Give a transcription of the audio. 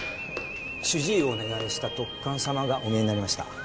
主治医をお願いした特患様がお見えになりました。